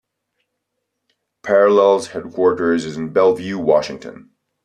Parallels headquarters is in Bellevue, Washington.